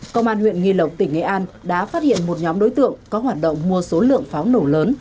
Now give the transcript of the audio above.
công an huyện nghi lộc tỉnh nghệ an đã phát hiện một nhóm đối tượng có hoạt động mua số lượng pháo nổ lớn